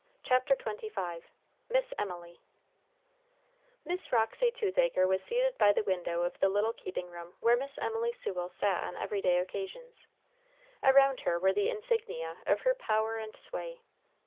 CHAPTER XXV MISS EMILY Miss Roxy Toothache was seated by the window of the little keeping room where Miss Emily Sewell sat on every day occasions. Around her were the insignia of her power and sway.